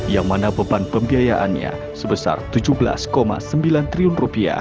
yang mana beban pembiayaannya sebesar rp tujuh belas sembilan triliun